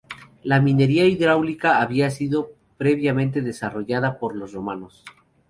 La minería hidráulica había sido previamente desarrollada por los romanos.